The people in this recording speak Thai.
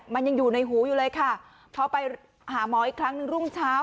มันยังอยู่ในหูอยู่เลยค่ะพอไปหาหมออีกครั้งหนึ่งรุ่งเช้า